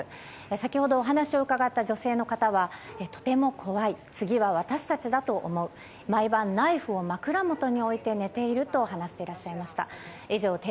先ほど、お話を伺った女性の方はとても怖い、次は私たちだと思う毎晩、ナイフを枕元に置いて寝ていると話していらっしゃいました。